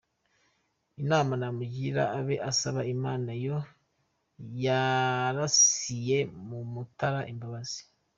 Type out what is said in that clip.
Inama namugira abe asaba Imana yo yarasiye mu Mutara imbabazi.